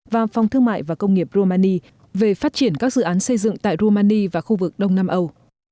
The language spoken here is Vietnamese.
và phòng thương mại và công nghiệp rumani về phát triển các dự án xây dựng tại rumani và khu vực đông nam âu